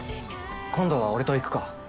今度は俺と行くか？